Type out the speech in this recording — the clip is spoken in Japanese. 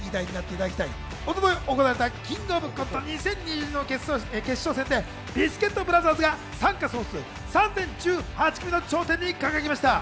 一昨日行われた『キングオブコント２０２２』の決勝戦で、ビスケットブラザーズが参加総数３０１８組の頂点に輝きました。